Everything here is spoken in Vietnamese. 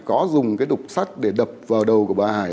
có dùng cái đục sắt để đập vào đầu của bà hải